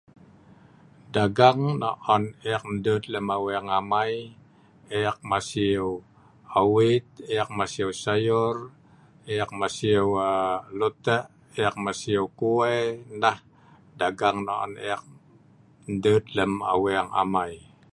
Dagang nok on ek ndut lem Aweng amai ,ek masiu awit, ek masiu sayur, ek masiu loteq, ek masiu kuwe, nah dagang nok on ek ndut lem Aweng amai